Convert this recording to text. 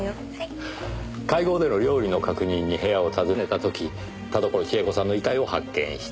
会合での料理の確認に部屋を訪ねた時田所千枝子さんの遺体を発見した。